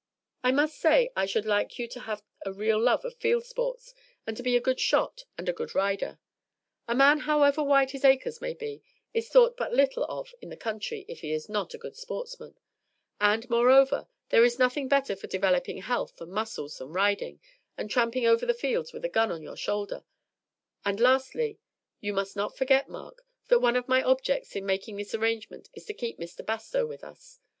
"I must say I should like you to have a real love of field sports and to be a good shot and a good rider. A man, however wide his acres may be, is thought but little of in the country if he is not a good sportsman; and, moreover, there is nothing better for developing health and muscles than riding, and tramping over the fields with a gun on your shoulder; and, lastly, you must not forget, Mark, that one of my objects in making this arrangement is to keep Mr. Bastow with us.